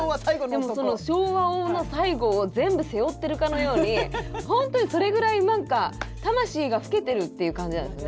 でもその昭和の最後をぜんぶ背負ってるかのようにほんとにそれぐらい何か魂が老けてるっていう感じなんですね。